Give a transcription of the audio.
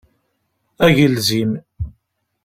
Agelzim.